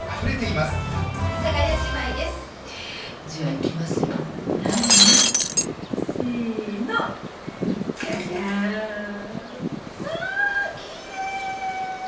まあきれい！